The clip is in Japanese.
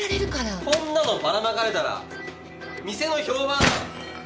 こんなのばらまかれたら店の評判が。